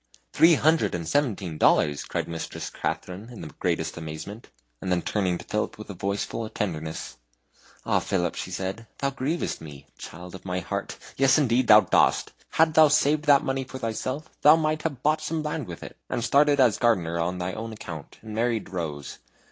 "Three hundred and seventeen dollars!" cried Mistress Katharine, in the greatest amazement; and then turning to Philip with a voice full of tenderness, "Ah, Philip," she said, "thou grievest me. Child of my heart! Yes, indeed thou dost. Hadst thou saved that money for thyself thou might have bought some land with it, and started as gardener on thy own account, and married Rose.